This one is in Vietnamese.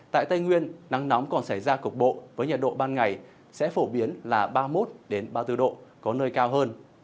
tại tây nguyên nắng nóng còn xảy ra cục bộ với nhiệt độ ban ngày sẽ phổ biến là ba mươi một ba mươi bốn độ có nơi cao hơn